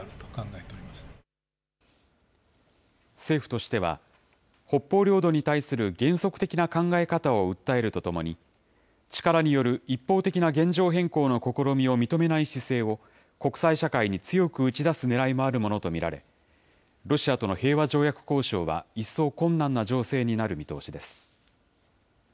政府としては、北方領土に対する原則的な考え方を訴えるとともに、力による一方的な現状変更の試みを認めない姿勢を、国際社会に強く打ち出すねらいもあるものと見られ、ロシアとの平和条約交渉は一層困難な情勢になる見通しです。